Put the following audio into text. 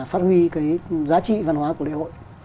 phát huy cái giá trị văn hóa của lễ hội